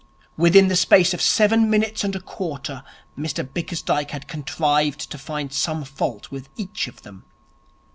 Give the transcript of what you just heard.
Within the space of seven minutes and a quarter Mr Bickersdyke had contrived to find some fault with each of them.